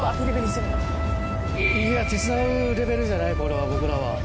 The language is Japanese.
いや手伝うレベルじゃないこれは僕らは。